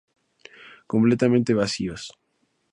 Completamente vacíos.